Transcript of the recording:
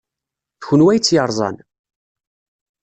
D kenwi ay tt-yerẓan?